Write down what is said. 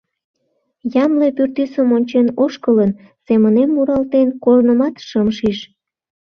Ямле пӱртӱсым ончен ошкылын, семынем муралтен, корнымат шым шиж.